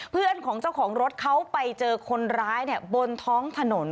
เพื่อนของเจ้าของรถเขาไปเจอคนร้ายบนท้องถนน